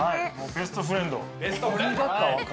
ベストフレンド！